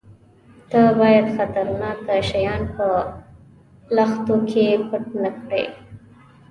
_ته بايد خطرناکه شيان په لښتو کې پټ نه کړې.